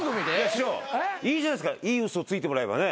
師匠いいじゃないですかいい嘘ついてもらえばね。